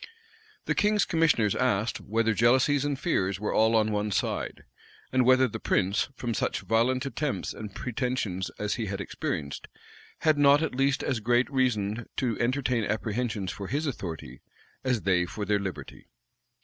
[*] The king's commissioners asked, whether jealousies and fears were all on one side; and whether the prince, from such violent attempts and pretensions as he had experienced, had not at least as great reason to entertain apprehensions for his authority, as they for their liberty?